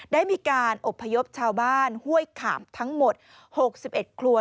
ได้มีการอบพยพชาวบ้านห้วยขามทั้งหมด๖๑ครัว